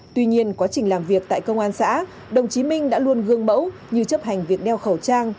tuy nhiên quá trình làm việc tại công an xã đồng chí minh đã luôn gương mẫu như chấp hành việc đeo khẩu trang